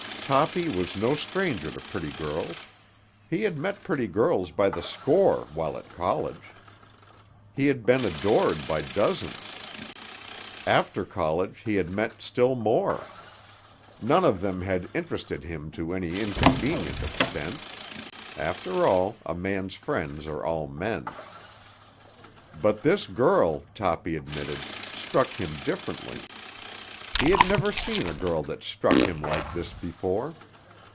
Toppy was no stranger to pretty girls. He had met pretty girls by the score while at college. He had been adored by dozens. After college he had met still more. None of them had interested him to any inconvenient extent. After all, a man's friends are all men. But this girl, Toppy admitted, struck him differently. He had never seen a girl that struck him like this before.